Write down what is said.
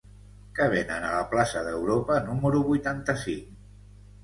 Què venen a la plaça d'Europa número vuitanta-cinc?